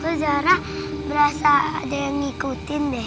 kalo zara berasa ada yang ngikutin deh